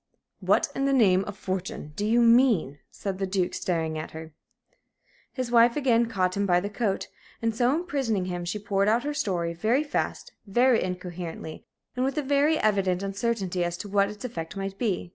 "What in the name of fortune do you mean?" said the Duke, staring at her. His wife again caught him by the coat, and, so imprisoning him, she poured out her story very fast, very incoherently, and with a very evident uncertainty as to what its effect might be.